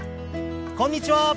こんにちは。